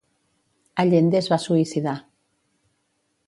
Allende es va suïcidar.